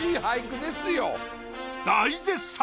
大絶賛！